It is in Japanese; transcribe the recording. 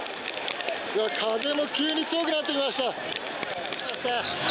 いや、風も急に強くなってきました。